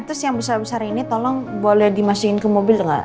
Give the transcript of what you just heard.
terus yang besar besar ini tolong boleh dimasukin ke mobil atau nggak